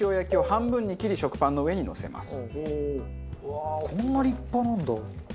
半分に切り食パンの上にのせます。